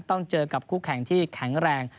ต้องเจอกับคู่แข่งที่แข็งแรง